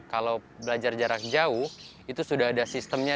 kalau belajar jarak jauh itu sudah ada sistemnya